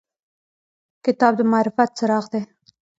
کتاب د معرفت څراغ دی.